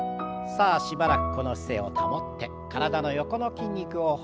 さあしばらくこの姿勢を保って体の横の筋肉を程よく伸ばしましょう。